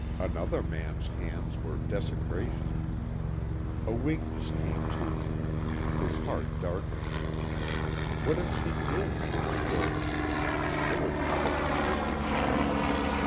Another man's hands were desecration. A weakness came to him. His heart darkened. What if she did, with Schroder? They were probably kissing now.